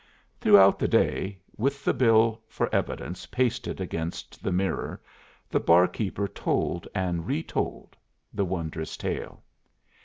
Throughout the day, with the bill, for evidence, pasted against the mirror, the barkeeper told and retold the wondrous tale.